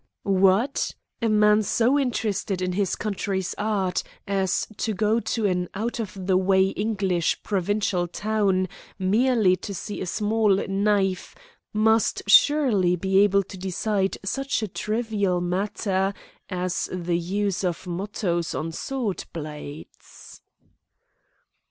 "What! A man so interested in his country's art as to go to an out of the way English provincial town merely to see a small knife, must surely be able to decide such a trivial matter as the use of mottoes on sword blades!"